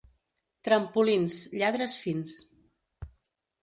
Trempolins, lladres fins.